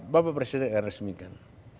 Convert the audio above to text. bapak presiden resmikan